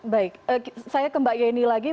baik saya ke mbak yeni lagi